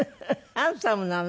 ハンサムなの？